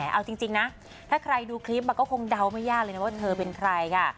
เอาจริงนะถ้าใครดูคลิปมันก็คงเดาไม่ยากเลยนะว่าเธอเป็นใครค่ะ